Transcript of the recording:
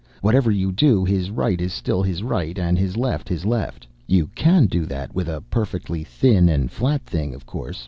Whatever you do, his right is still his right, his left his left. You can do that with a perfectly thin and flat thing, of course.